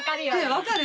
分かる？